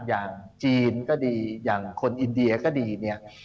อย่างจีนก็ดีอย่างคนอินเดียก็ดีเนี่ย